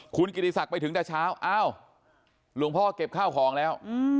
คุณกิติศักดิ์ไปถึงแต่เช้าอ้าวหลวงพ่อเก็บข้าวของแล้ว